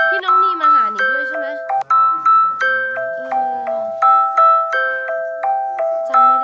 พี่น้องนีมาหาหน่อยใช่ไหม